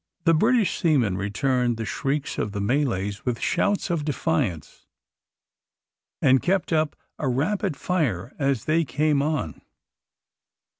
The British seamen returned the shrieks of the Malays with shouts of defiance, and kept up a rapid fire as they came on.